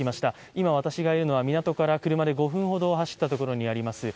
今、私がいるのは港から車で５分ほど走ったところにあります